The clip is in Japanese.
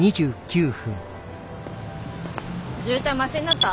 渋滞マシになった？